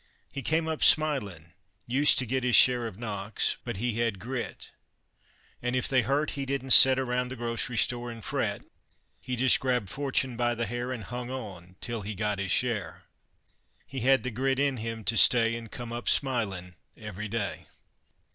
He came up smilin' used to git His share o' knocks, but he had grit, An' if they hurt he didn't set Around th' grocery store an' fret. He jist grabbed Fortune by th' hair An' hung on till he got his share. He had th' grit in him to stay An' come up smilin' every day.